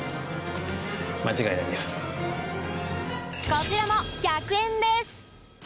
こちらも、１００円です。